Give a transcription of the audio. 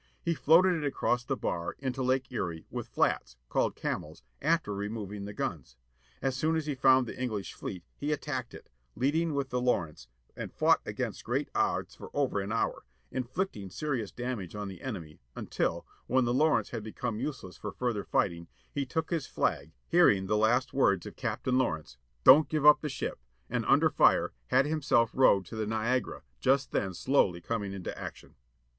He floated it across the bar, into Lake Erie, with flatsâ called camels â after removing the guns. As soon as he found the Enghsh fleet he attacked it, leading with the Lawrence, and fought against great odds for over an hour, inflicting serious damage on the enemy, until, when the Lawrence^ had become useless for fvui; her fighting, he took his flag, hearing ^^^ the last words of Captain 29 FULTON'S FIRST STEAMBOAT ON THE HUDSON â I.H' 30 BATTLE OF LAKE ERIE, 1813 Lawrence,â " Don't give up the Ship," and, under fire, had himself rowed to the Niagara, just then slowly coming into action.